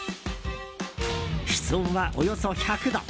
室温は、およそ１００度。